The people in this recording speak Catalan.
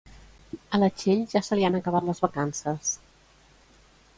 A la Txell ja se li han acabat les vacances